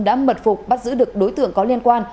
đã mật phục bắt giữ được đối tượng có liên quan